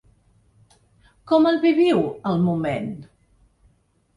Com el viviu, el moment?